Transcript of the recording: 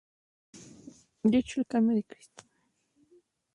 De hecho, el cambio del Cristo y del personaje principal ocurren de manera paralela.